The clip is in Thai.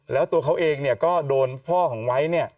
แล้วตัวเขาเองก็โดนพ่อของไวท์เนี่ย